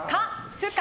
不可？